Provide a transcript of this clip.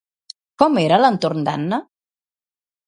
Com era l'entorn d'Anna?